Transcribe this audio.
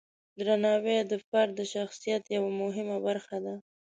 درناوی د فرد د شخصیت یوه مهمه برخه ده.